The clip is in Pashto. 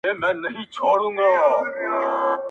تا پر سرو شونډو پلمې راته اوډلای،